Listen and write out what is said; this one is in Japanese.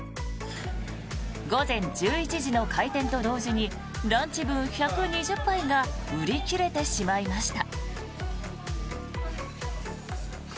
午前１１時の開店と同時にランチ分１２０杯が売り切れてしまいました。